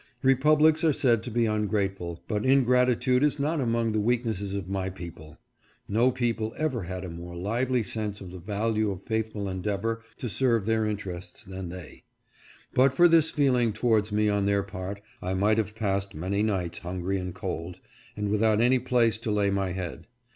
Republics are said to be ungrateful, but ingrati tude is not among the weaknesses of my people. No people ever had a more lively sense of the value of faith ful endeavor to serve their interests than they. But for this feeling towards me on their part, I might have passed many nights hungry and cold, and without any place to lay my head.